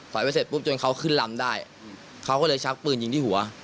ไปเสร็จปุ๊บจนเขาขึ้นลำได้เขาก็เลยชักปืนยิงที่หัว